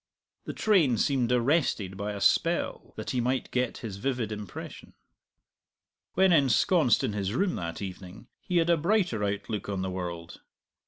The train seemed arrested by a spell that he might get his vivid impression. When ensconced in his room that evening he had a brighter outlook on the world.